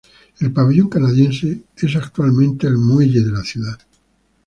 El pabellón canadiense es actualmente el muelle de la ciudad.